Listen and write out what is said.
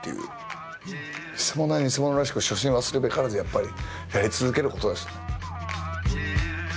偽者は偽者らしく初心忘るべからずやっぱりやり続けることですね。